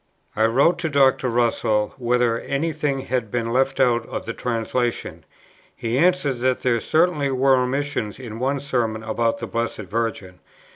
I wrote to ask Dr. Russell whether any thing had been left out in the translation; he answered that there certainly were omissions in one Sermon about the Blessed Virgin.